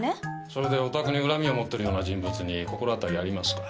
それでおたくに恨みを持っているような人物に心当たりありますか？